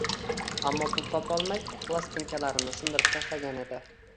ammo pul topolmay plastinkalarimni sindirib tashlagan edi.